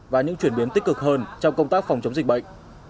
và những chuyển biến tích cực hơn trong công tác phòng chống dịch bệnh